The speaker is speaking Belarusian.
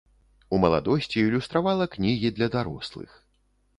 У маладосці ілюстравала кнігі для дарослых.